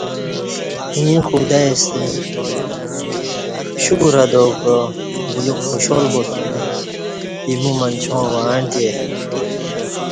ییں خدائی ستہ ݜکر ادا کعا بلیوک خوشحال باسُوم اِیمو منچاں وعݩتی